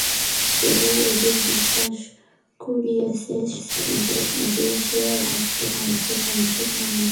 সে ওদের বিশ্বাস করিয়েছে যে সে একজন আধ্যাত্মিক মানুষ।